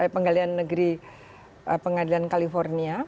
pengadilan negeri pengadilan california